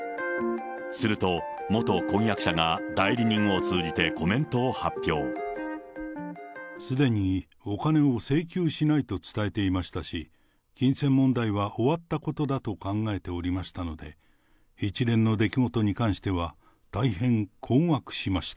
すると元婚約者が代理人を通じてすでにお金を請求しないと伝えていましたし、金銭問題は終わったことだと考えておりましたので、一連の出来事に関しては大変困惑しました。